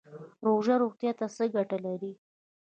روژه روغتیا ته څه ګټه لري؟